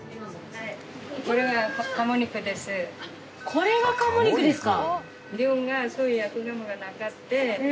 これが鴨肉ですか。